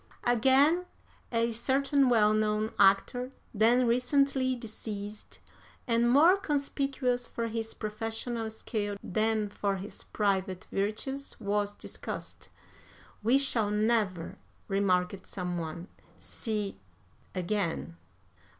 "Again, a certain well known actor, then recently deceased, and more conspicuous for his professional skill than for his private virtues, was discussed. 'We shall never,' remarked some one, 'see again.'